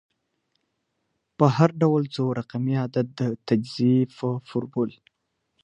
په هر ډول څو رقمي عدد د تجزیې په فورمول